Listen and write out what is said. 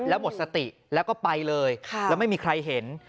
แล้วหมดสติแล้วก็ไปเลยแล้วไม่มีใครเห็น